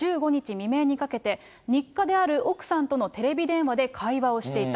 未明にかけて、日課である奥さんとのテレビ電話で会話をしていた。